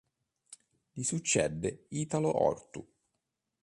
Gli succede Italo Ortu.